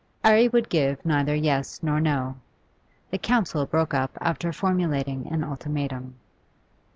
'Arry would give neither yes nor no. The council broke up after formulating an ultimatum.